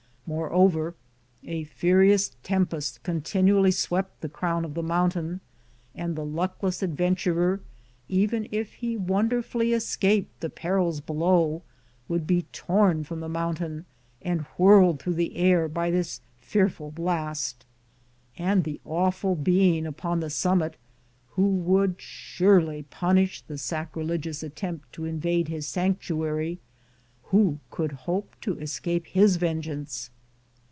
Moreover, a furious tempest continually swept the crown of the mountain, and the luckless adventurer, even if he wonderfully escaped the perils below, would be torn from the mountain and whirled through the air by this fearful blast. And the awful being upon the summit, who would surely punish the sacrilegious attempt to invade his sanctuary, — who could hope to escape his vengeance